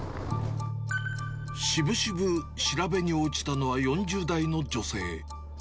しぶしぶ調べに応じたのは、４０代の女性。